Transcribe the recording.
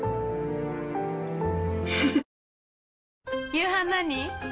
夕飯何？